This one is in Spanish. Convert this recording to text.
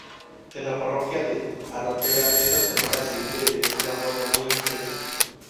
En la Parroquia de Albatera esta semana se vive de una forma muy intensa.